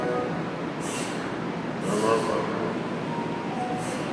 Tɔ̀ímá hvàkó.